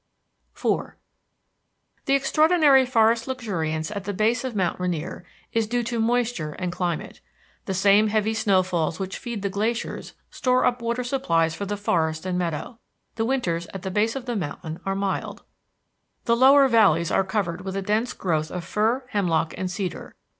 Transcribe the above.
IV The extraordinary forest luxuriance at the base of Mount Rainier is due to moisture and climate. The same heavy snowfalls which feed the glaciers store up water supplies for forest and meadow. The winters at the base of the mountain are mild. The lower valleys are covered with a dense growth of fir, hemlock, and cedar.